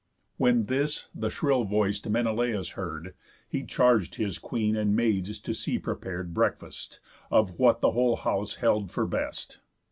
When this the shrill voic'd Menelaus heard, He charg'd his queen and maids to see prepar'd Breakfast, of what the whole house held for best.